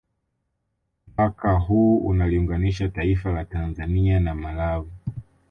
Mpaka huu unaliunganisha taifa la Tanzania na Malawi